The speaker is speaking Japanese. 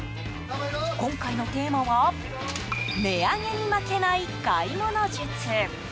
今回のテーマは値上げに負けない買い物術。